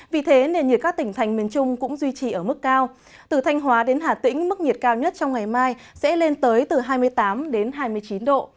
vì thế nền nhiệt các tỉnh thành miền trung cũng duy trì ở mức cao từ thanh hóa đến hà tĩnh mức nhiệt cao nhất trong ngày mai sẽ lên tới từ hai mươi tám đến hai mươi chín độ